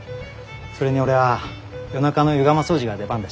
それに俺は夜中の湯釜掃除が出番だしな。